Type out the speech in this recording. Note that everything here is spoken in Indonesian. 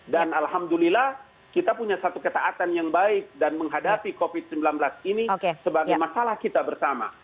dan alhamdulillah kita punya satu ketaatan yang baik dan menghadapi covid sembilan belas ini sebagai masalah kita bersama